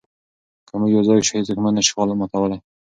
که موږ یو ځای شو، هیڅوک مو نه شي ماتولی.